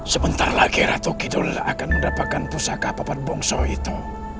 sebentar lagi ratu kidullah akan mendapatkan pusaka papan bongso itu